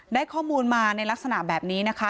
ได้ข้อมูลมาในลักษณะแบบนี้นะคะ